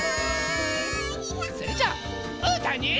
それじゃあうーたんに。